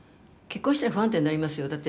結婚したら不安定になりますよ。